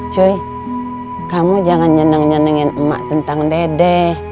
cuy kamu jangan nyeneng nyenengin emak tentang dede